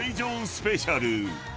スペシャル。